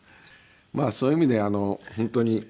まあそういう意味で本当に。